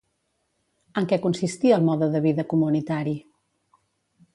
En què consistia el mode de vida comunitari?